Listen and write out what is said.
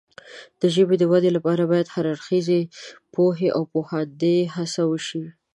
د ژبې د وده لپاره باید د هر اړخیزې پوهې او پوهاندۍ هڅه وشي.